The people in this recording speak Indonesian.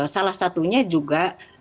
salah satunya juga